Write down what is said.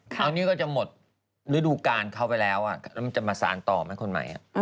ตอนนี้ก็จะหมดฤดูการเข้าไปแล้วแล้วมันจะมาสารต่อไหมคนใหม่